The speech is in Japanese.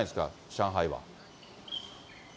上海は。